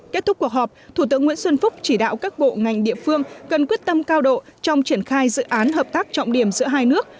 kết thúc cuộc họp thủ tướng nguyễn xuân phúc chỉ đạo các bộ ngành địa phương cần quyết tâm cao độ trong triển khai dự án hợp tác trọng điểm giữa hai nước